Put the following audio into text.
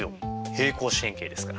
平行四辺形ですから！